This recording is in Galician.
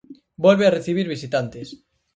Volve a recibir visitantes.